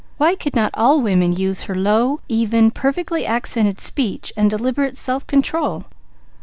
Why could not all women use her low, even, perfectly accented speech and deliberate self control?